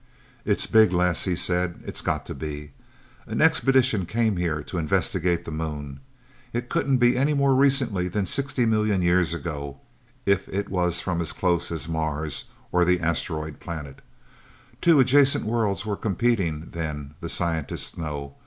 "It's big, Les," he said. "It's got to be! An expedition came here to investigate the Moon it couldn't be any more recently than sixty million years ago, if it was from as close as Mars, or the Asteroid Planet! Two adjacent worlds were competing, then, the scientists know.